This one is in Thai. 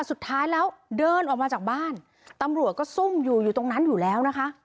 สุดท้ายแล้วเดินออกมาจากบ้านตำรวจก็ซุ่มอยู่อยู่ตรงนั้นอยู่แล้วนะคะ